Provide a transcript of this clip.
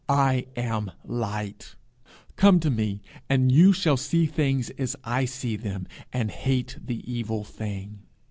I am light; come to me, and you shall see things as I see them, and hate the evil thing.